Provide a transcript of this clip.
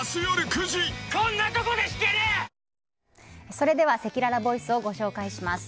それではせきららボイスをご紹介します。